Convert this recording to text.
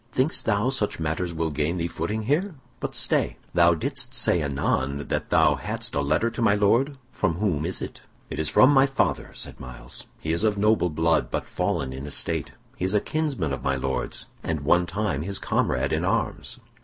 "Think'st thou such matters will gain thee footing here? But stay! Thou didst say anon that thou hadst a letter to my Lord. From whom is it?" "It is from my father," said Myles. "He is of noble blood, but fallen in estate. He is a kinsman of my Lord's, and one time his comrade in arms."